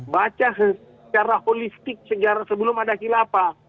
baca secara holistik sejarah sebelum ada khilafah